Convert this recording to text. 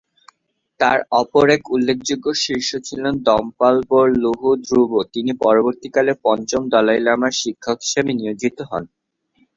তার অপর একজন উল্লেখযোগ্য শিষ্য ছিলেন দ্পাল-'ব্যোর-ল্হুন-গ্রুব যিনি পরবর্তীকালে পঞ্চম দলাই লামার শিক্ষক হিসেব নিয়োজিত হন।